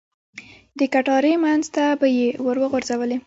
د کټارې منځ ته به یې ور وغوځولې.